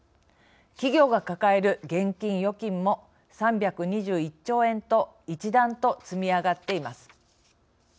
企業が抱える現金・預金も３２１兆円と一段と積み上がっています。